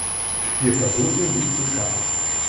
Wir versuchen, sie zu schaffen.